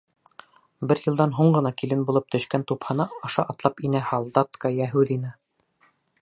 Бер йылдан һуң ғына килен булып төшкән тупһаны аша атлап инә «һалдатка» Йәһүҙина.